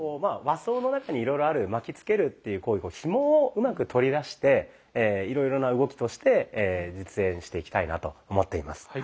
和装の中にいろいろある巻きつけるっていう行為ひもをうまく取り出していろいろな動きとして実演していきたいなと思っています。